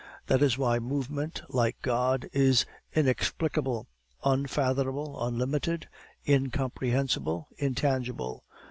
That is why movement, like God is inexplicable, unfathomable, unlimited, incomprehensible, intangible.